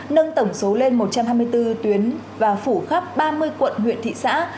nâng tổng số lên một trăm hai mươi bốn tuyến và phủ khắp ba mươi quận huyện thị xã